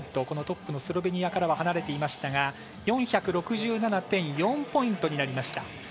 このトップのスロベニアからは離れていましたが４６７．４ポイントになりました。